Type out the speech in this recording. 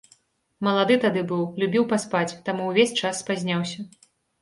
Малады тады быў, любіў паспаць, таму ўвесь час спазняўся.